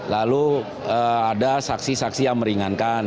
lalu ada saksi saksi yang meringankan